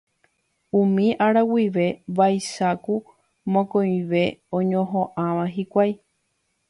Umi ára guive vaicháku mokõive oñoha'ãva hikuái